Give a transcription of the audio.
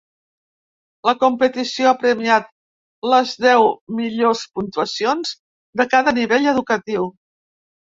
La competició ha premiat les deu millors puntuacions de cada nivell educatiu.